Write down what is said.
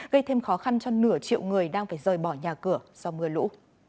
gây thêm khó khăn cho nửa triệu người đang phải rời bỏ nhà cửa do mưa lũ